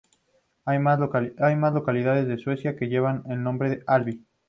Hay más localidades en Suecia que llevan el nombre Alby.